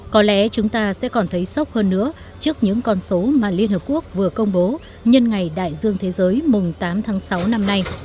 có lẽ chúng ta sẽ còn thấy sốc hơn nữa trước những con số mà liên hợp quốc vừa công bố nhân ngày đại dương thế giới mùng tám tháng sáu năm nay